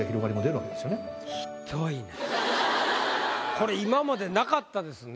これ今までなかったですね